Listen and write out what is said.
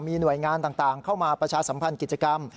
มีหน่วยงานต่างเข้ามาประชาสัมพันธ์กิจกรรม